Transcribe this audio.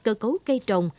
cơ cấu cây trồng